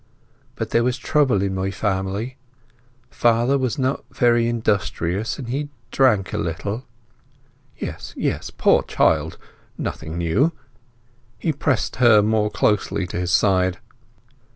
But there was trouble in my family; father was not very industrious, and he drank a little." "Yes, yes. Poor child! Nothing new." He pressed her more closely to his side.